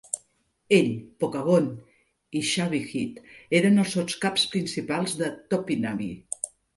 Ell, Pokagon i Shavehead eren els sotscaps principals de Topinabee.